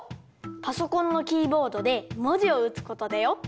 パソコンのキーボードでもじをうつことだよ。